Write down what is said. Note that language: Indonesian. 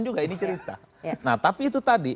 juga ini cerita nah tapi itu tadi